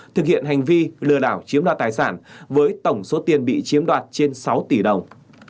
thực hiện hành vi lừa đảo chiếm đoạt tài sản với tổng số tiền bị chiếm đoạt trên sáu tỷ đồng